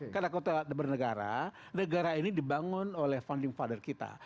karena konteks bernegara negara ini dibangun oleh founding father kita